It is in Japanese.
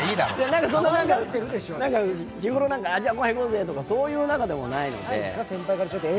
日頃、ご飯行こうぜっていう仲でもないので。